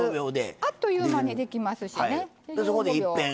あっという間にできますし。